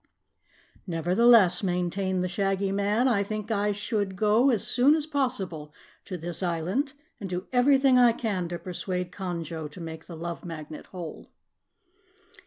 "Nevertheless," maintained the Shaggy Man, "I think I should go as soon as possible to this island and do everything I can to persuade Conjo to make the Love Magnet whole."